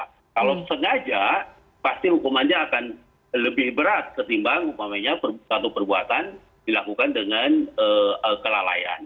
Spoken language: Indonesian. kalau sengaja pasti hukumannya akan lebih berat ketimbang satu perbuatan dilakukan dengan kelalaian